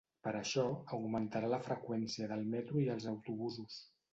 Per això, augmentarà la freqüència del metro i els autobusos.